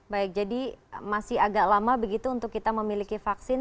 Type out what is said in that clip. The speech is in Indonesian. baik jadi masih agak lama begitu untuk kita memiliki vaksin